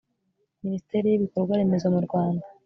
minisiteri y'ibikorwaremezo mu rwanda